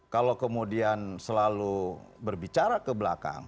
kalau kemudian selalu berbicara ke belakang